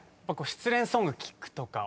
失恋ソング聴くとか。